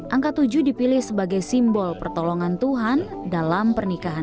angka tujuh dipilih sebagai simbol pertolongan tuhan dalam pernikahan